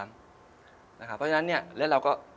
ทางสโมสรไม่รู้ตัวด้วยซ้ำนะครับเพราะฉะนั้นเนี่ยแล้วเราก็